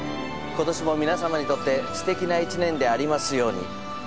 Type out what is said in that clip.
今年も皆様にとってすてきな一年でありますように。